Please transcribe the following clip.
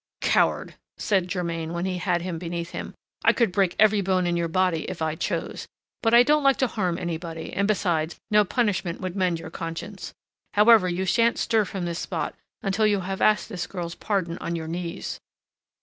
_] "Coward!" said Germain, when he had him beneath him, "I could break every bone in your body if I chose! But I don't like to harm anybody, and besides, no punishment would mend your conscience. However, you shan't stir from this spot until you have asked this girl's pardon on your knees."